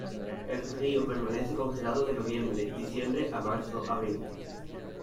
El río permanece congelado de noviembre-diciembre a marzo-abril.